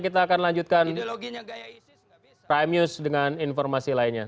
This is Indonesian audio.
kita akan lanjutkan prime news dengan informasi lainnya